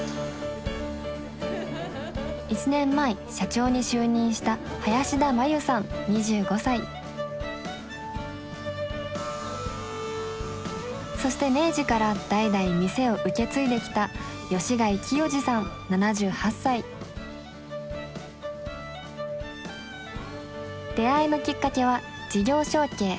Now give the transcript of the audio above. １年前社長に就任したそして明治から代々店を受け継いできた出会いのきっかけは「事業承継」。